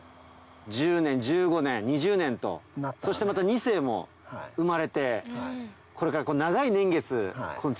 １０年１５年２０年とそしてまた２世も生まれてこれから。